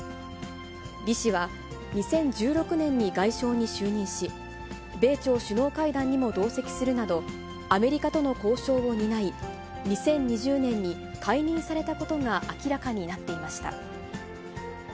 リ氏は２０１６年に外相に就任し、米朝首脳会談にも同席するなど、アメリカとの交渉を担い、２０２０年に解任されたことが明らかになっていました。